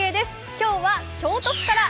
今日は京都府から。